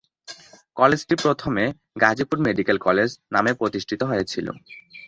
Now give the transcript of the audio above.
কলেজটি প্রথমে "Gazipur medical college" নামে প্রতিষ্ঠিত হয়েছিল।